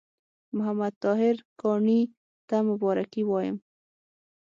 محمد طاهر کاڼي ته مبارکي وایم.